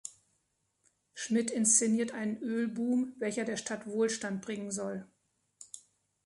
Schmidt inszeniert einen Ölboom, welcher der Stadt Wohlstand bringen soll.